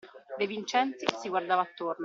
De Vincenzi si guardava attorno.